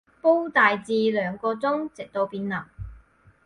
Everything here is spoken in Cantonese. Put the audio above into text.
煲大致兩個鐘，直到變腍